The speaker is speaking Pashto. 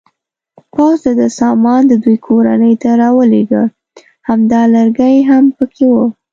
پوځ د ده سامان د دوی کورنۍ ته راولېږه، همدا لرګی هم پکې و.